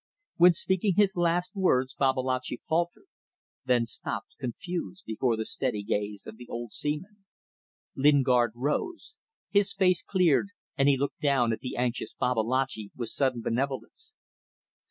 When speaking his last words Babalatchi faltered, then stopped, confused, before the steady gaze of the old seaman. Lingard rose. His face cleared, and he looked down at the anxious Babalatchi with sudden benevolence.